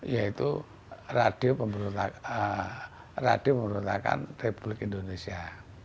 yaitu radio pemberontakan republik indonesia